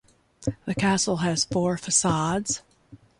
The castle has four facades.